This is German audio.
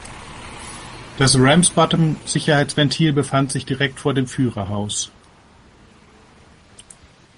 Das Ramsbottom-Sicherheitsventil befand sich direkt vor dem Führerhaus.